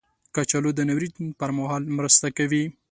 کچالو د ناورین پر مهال مرسته کوي